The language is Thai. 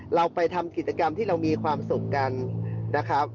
เราไปทำกิจกรรมที่เรามีความสุขกันนะครับ